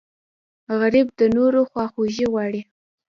غریب د نورو خواخوږی غواړي